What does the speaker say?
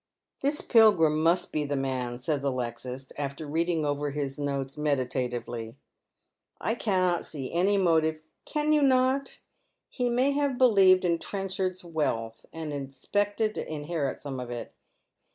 " This Pilgiim must be the man," says Alexis, after reading over his notes meditatively. " I cannot see any motive "" Can you not ? He may have believed in Trenchard's wealth, and expected to inherit some of it.